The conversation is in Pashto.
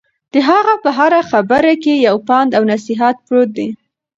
د هغه په هره خبره کې یو پند او نصیحت پروت دی.